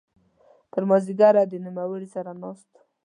تر ماذیګره د نوموړي سره ناست وو.